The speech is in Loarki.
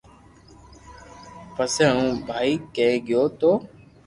پسي ھون ڀائي ڪني گيو تو